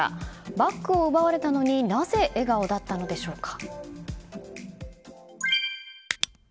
バッグを奪われたのになぜ笑顔だったのでしょうか。